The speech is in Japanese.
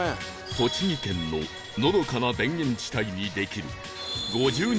栃木県ののどかな田園地帯にできる